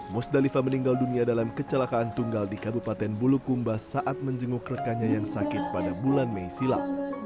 musdalifa meninggal dunia dalam kecelakaan tunggal di kabupaten bulukumba saat menjenguk rekannya yang sakit pada bulan mei silam